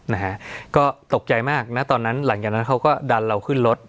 นะฮะก็ตกใจมากนะตอนนั้นหลังจากนั้นเขาก็ดันเราขึ้นรถ